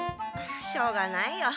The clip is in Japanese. しょうがないよ